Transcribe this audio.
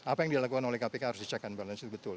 apa yang dilakukan oleh kpk harus di check and balance itu betul